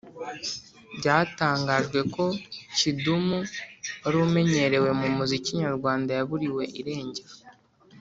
byatangajwe ko kidumu wari umenyerewe mu muziki nyarwanda yaburiwe irengero